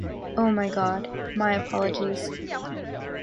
Oh my God, my apologies.